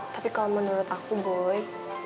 tapi kalau menurut aku boy